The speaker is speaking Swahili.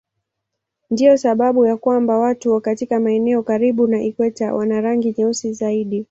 Ndiyo sababu ya kwamba watu katika maeneo karibu na ikweta wana rangi nyeusi zaidi.